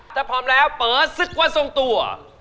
ถ้าพร้อมแล้วเปิดซู๊นว่ีส่วนส่วนตัว